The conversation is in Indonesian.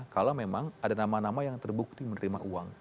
kalau memang ada nama nama yang terbukti menerima uang